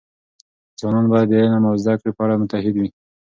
ځوانان باید د علم او زده کړې په اړه متعهد وي.